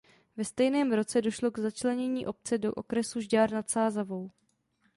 Ve stejném roce došlo k začlenění obce do okresu Žďár nad Sázavou.